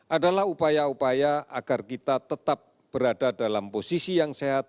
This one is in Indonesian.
adalah upaya upaya agar kita tetap berada dalam posisi yang sehat